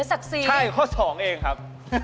ใช่ข้อ๒เองครับ